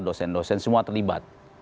dosen dosen semua terlibat